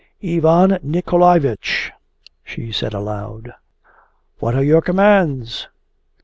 'Ivan Nikolaevich!' she said aloud. 'What are your commands?